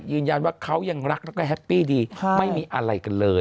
ยืนยันว่าเขายังรักแล้วก็แฮปปี้ดีไม่มีอะไรกันเลย